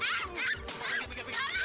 hei hei barangkan saja